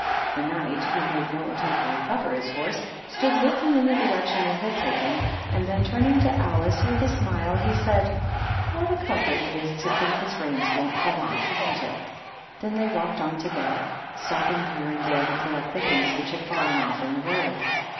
The Knight, who made no attempt to recover his horse, stood look ing in the direction it had taken, and then turn 108 THE WHITE KNIGHT. ing to Alice, with a smile, he said, " What a com fort it is to think his reins won't come off, isn't it ?" Then they walked on together, stopping here and there to collect the things which had fallen off in the road.